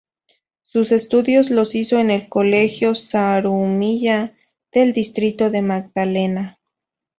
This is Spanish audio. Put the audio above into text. Sus estudios los hizo en el colegio "Zarumilla" del Distrito de Magdalena.